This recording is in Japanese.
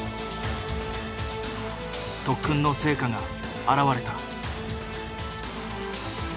特訓の成果が現れた。